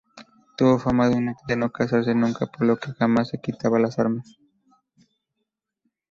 Tuvo fama de no cansarse nunca, por lo que jamás se quitaba las armas.